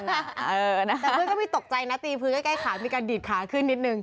แต่เพื่อนก็ไม่ตกใจนะตีพื้นใกล้ขามีการดีดขาขึ้นนิดนึง